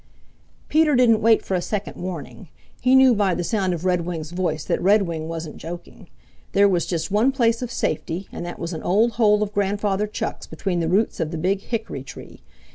Peter didn't wait for a second warning. He knew by the sound of Redwing's voice that Redwing wasn't joking. There was just one place of safety, and that was an old hole of Grandfather Chuck's between the roots of the Big Hickory tree.